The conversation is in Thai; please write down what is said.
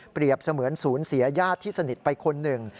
เสมือนศูนย์เสียญาติที่สนิทไปคนหนึ่ง